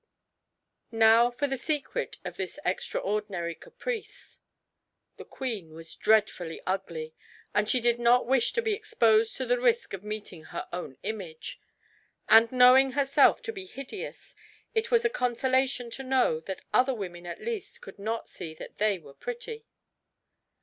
Now for the secret of this extraordinary caprice. The queen was dreadfully ugly, and she did not wish to be exposed to the risk of meeting her own image; and, knowing herself to be hideous, it was a consolation to know that other women at least could not see that they were pretty.